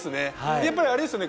やっぱりあれですよね